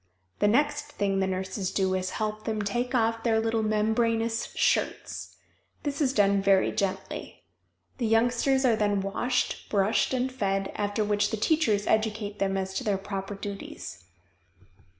The next thing the nurses do is to help them take off their little membranous shirts. This is done very gently. The youngsters are then washed, brushed, and fed, after which the teachers educate them as to their proper duties.